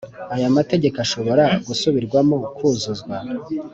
Aya mategeko ashobora gusubirwamo kuzuzwa